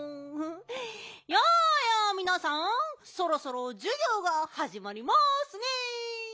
やあやあみなさんそろそろじゅぎょうがはじまりますねえ。